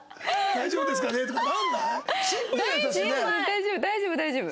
大丈夫大丈夫大丈夫大丈夫。